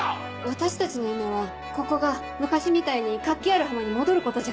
私たちの夢はここが昔みたいに活気ある浜に戻ることじゃん。